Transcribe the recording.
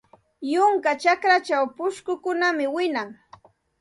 Yunka chakrachaw pushkukunam wiñan.